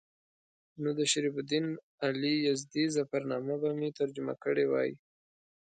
نو د شرف الدین علي یزدي ظفرنامه به مې ترجمه کړې وای.